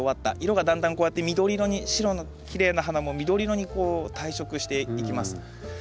色がだんだんこうやって緑色に白のきれいな花も緑色にこう退色していきます。